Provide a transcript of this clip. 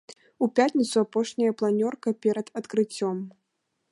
У пятніцу апошняя планёрка перад адкрыццём.